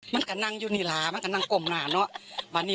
วันนี้อเลียนมานี้ว่านี้